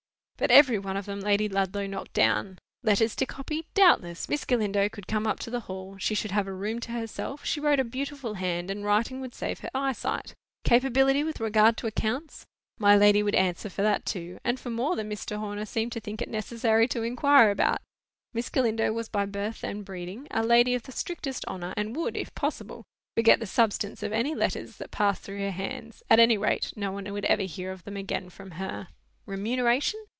But every one of them Lady Ludlow knocked down. Letters to copy? Doubtless. Miss Galindo could come up to the Hall; she should have a room to herself; she wrote a beautiful hand; and writing would save her eyesight. "Capability with regard to accounts?" My lady would answer for that too; and for more than Mr. Horner seemed to think it necessary to inquire about. Miss Galindo was by birth and breeding a lady of the strictest honour, and would, if possible, forget the substance of any letters that passed through her hands; at any rate, no one would ever hear of them again from her. "Remuneration?"